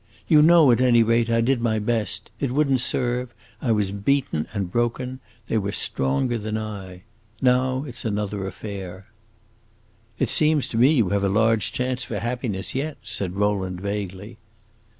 You know, at any rate, I did my best. It would n't serve; I was beaten and broken; they were stronger than I. Now it 's another affair!" "It seems to me you have a large chance for happiness yet," said Rowland, vaguely.